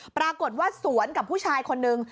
ปรากฏว่าสวนกับผู้ชายคนนึง